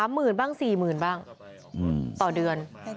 ๓หมื่นบ้าง๔หมื่นบ้างต่อเดือน